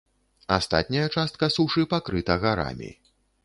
Астатняя частка сушы пакрыта гарамі.